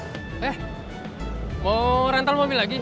eh mau rental mobil lagi